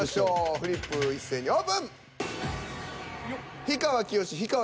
フリップ一斉にオープン！